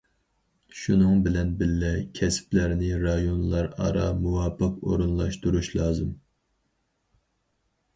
شۇنىڭ بىلەن بىللە، كەسىپلەرنى رايونلار ئارا مۇۋاپىق ئورۇنلاشتۇرۇش لازىم.